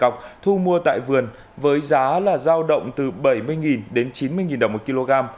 cọc thu mua tại vườn với giá là giao động từ bảy mươi đến chín mươi đồng một kg